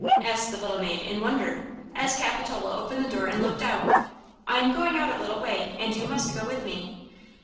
asked the little maid, in wonder, as Capitola opened the door and looked out. "I am going out a little way and you must go with me!"